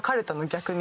逆に。